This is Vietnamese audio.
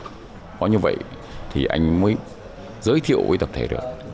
có như vậy thì anh mới giới thiệu với tập thể được